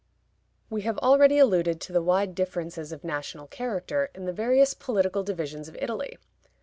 We have already alluded to the wide differences of national character in the various political divisions of Italy.